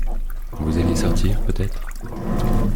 Vous alliez sortir, peut-être?